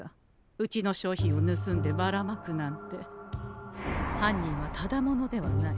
うちの商品をぬすんでばらまくなんて犯人はただ者ではない。